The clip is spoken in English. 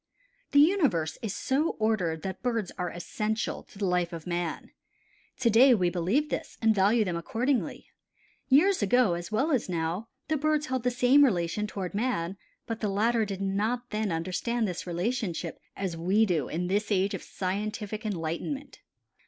The universe is so ordered that Birds are essential to the life of Man. To day we believe this and value them accordingly. Years ago as well as now the birds held the same relation toward man but the latter did not then understand this relationship as we do in this age of scientific enlightenment.